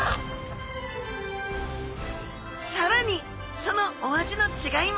さらにそのお味の違いも！